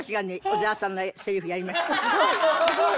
すごい！